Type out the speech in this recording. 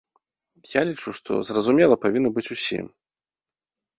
Я лічу, што зразумела павінна быць усім.